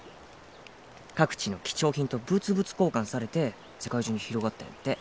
各地の貴重品と物々交換されて世界中に広がったんやって